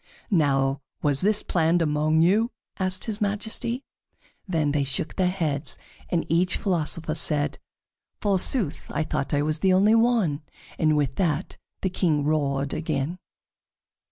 "Now, was this planned among you?" asked his Majesty. Then they shook their heads, and each philosopher said: "Forsooth, I thought I was the only one," and with that the King roared again.